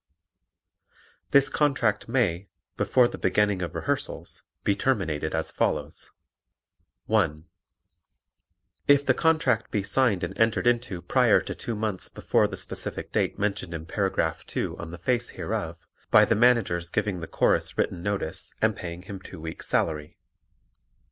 This contract may, before the beginning of rehearsals, be terminated as follows: (1) If the contract be signed and entered into prior to two months before the specific date mentioned in Paragraph 2 on the face hereof, by the Manager's giving the Chorus written notice and paying him two weeks' salary.